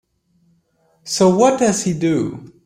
So what does he do?